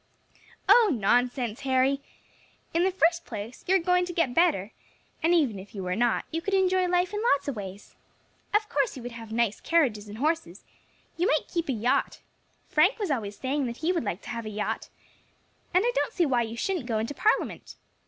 "Oh! nonsense, Harry. In the first place you are going to get better; and even if you were not, you could enjoy life in lots of ways. Of course you would have nice carriages and horses; you might keep a yacht Frank was always saying that he would like to have a yacht, and I don't see why you shouldn't go into Parliament.